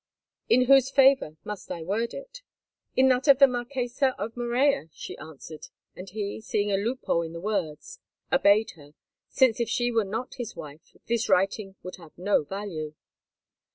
"In whose favour must I word it?" he asked. "In that of the Marquessa of Morella," she answered, and he, seeing a loophole in the words, obeyed her, since if she were not his wife this writing would have no value.